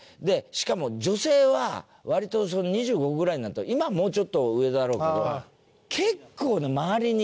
しかも女性は割と２５ぐらいになると今はもうちょっと上だろうけど結構ね周りに。